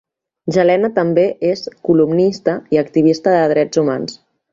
Jelena també és columnista i activista de drets humans.